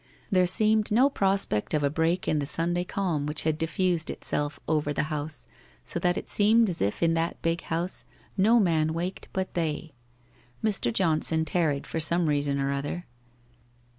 There seemed no prospect of a break in the Sunday calm which had diffused itself over the house, so that it seemed as if in that big house no man waked but they. Mr. Johnson tarried for some reason or other.